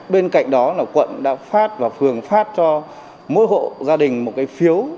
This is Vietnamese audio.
bên cạnh đó là quận đã phát và phường phát cho mỗi hộ gia đình một cái phiếu